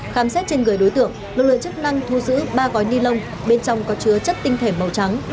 khám xét trên người đối tượng lực lượng chức năng thu giữ ba gói ni lông bên trong có chứa chất tinh thể màu trắng